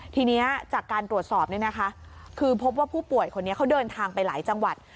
ทีนี้จากการตรวจสอบคือพบว่าผู้ป่วยเขาเดินทางไปหลายจังหวัด